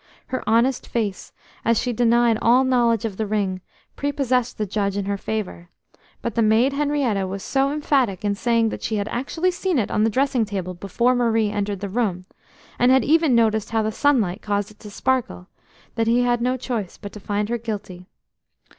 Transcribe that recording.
Her honest face, as she denied all knowledge of the ring, prepossessed the judge in her favour, but the maid Henrietta was so emphatic in saying that she had actually seen it on the dressing table before Marie entered the room, and had even noticed how the sunlight caused it to sparkle, that he had no choice but to find her guilty.